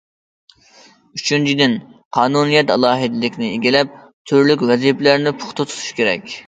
ئۈچىنچىدىن، قانۇنىيەت، ئالاھىدىلىكنى ئىگىلەپ، تۈرلۈك ۋەزىپىلەرنى پۇختا تۇتۇش كېرەك.